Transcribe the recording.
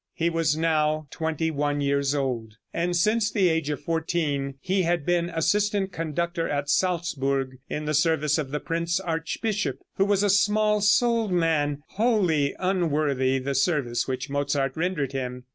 He was now twenty one years old, and since the age of fourteen he had been assistant conductor at Salzburg in the service of the prince archbishop, who was a small souled man, wholly unworthy the service which Mozart rendered him.